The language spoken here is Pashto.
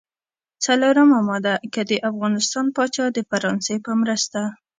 څلورمه ماده: که د افغانستان پاچا د فرانسې په مرسته.